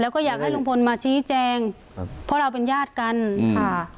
แล้วก็อยากให้ลุงพลมาชี้แจงครับเพราะเราเป็นญาติกันค่ะ